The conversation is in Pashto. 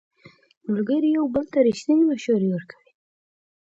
ملګري یو بل ته ریښتینې مشورې ورکوي